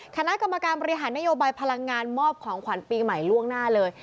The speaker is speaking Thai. คณะกรรมการบริหารนโยบายพลังงานมอบของขวัญปีใหม่ล่วงหน้าเลย